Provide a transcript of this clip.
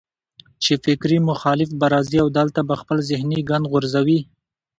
چې فکري مخالف به راځي او دلته به خپل ذهني ګند غورځوي